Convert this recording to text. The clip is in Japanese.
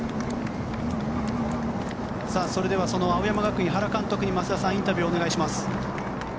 それでは青山学院原監督に増田さん、インタビューをお願いします。